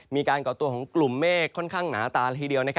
ก่อตัวของกลุ่มเมฆค่อนข้างหนาตาละทีเดียว